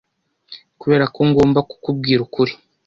kubera ko ngomba kukubwira ukuri